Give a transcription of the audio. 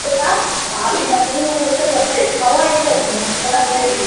এ কথা শেষ না হতেই গুলি শুরু হলো।